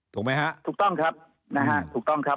ถูกไหมฮะถูกต้องครับนะฮะ